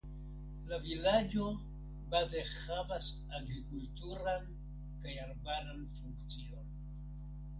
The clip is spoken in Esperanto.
La vilaĝo baze havas agrikulturan kaj arbaran funkcion.